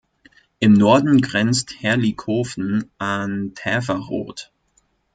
Im Norden grenzt Herlikofen an Täferrot.